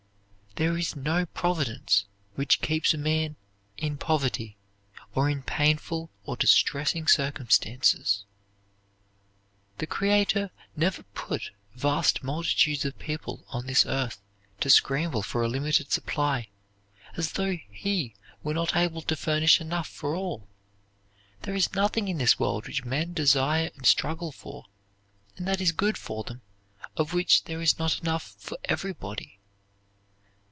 There is no providence which keeps a man in poverty, or in painful or distressing circumstances. The Creator never put vast multitudes of people on this earth to scramble for a limited supply, as though He were not able to furnish enough for all. There is nothing in this world which men desire and struggle for, and that is good for them, of which there is not enough for everybody.